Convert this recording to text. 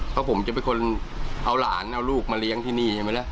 เพราะผมจะเป็นคนเอาหลานเอาลูกมาเลี้ยงที่นี่ใช่ไหมล่ะ